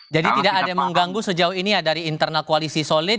jadi tidak ada yang mengganggu sejauh ini ya dari internal koalisi solid